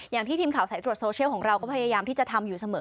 อย่างที่ทีมข่าวสายตรวจโซเชียลของเราก็พยายามที่จะทำอยู่เสมอ